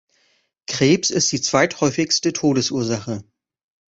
Krebs ist die zweithäufigste Todesursache.